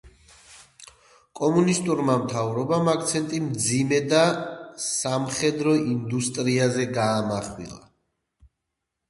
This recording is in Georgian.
კომუნისტურმა მთავრობამ აქცენტი მძიმე და სამხედრო ინდუსტრიაზე გაამახვილა.